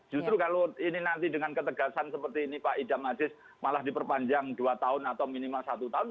justru kalau ini nanti dengan ketegasan seperti ini pak idam aziz malah diperpanjang dua tahun atau minimal satu tahun